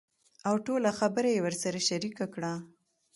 اوټوله خبره يې ورسره شريکه کړه .